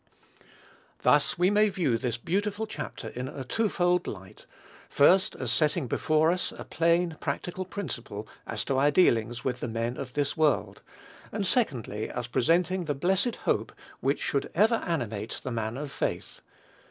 Thus we may view this beautiful chapter in a twofold light; first, as setting before us a plain, practical principle, as to our dealings with the men of this world; and secondly, as presenting the blessed hope which should ever animate the man of faith.